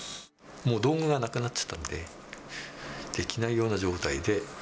もう道具がなくなっちゃったんで、できないような状態で。